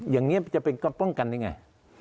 อย่างนี้จะเป็นก็ป้องกันได้ไง